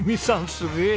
すげえ！